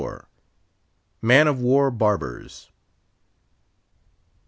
MAN OF WAR BARBERS.